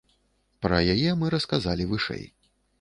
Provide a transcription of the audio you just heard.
Пра яе мы расказалі вышэй.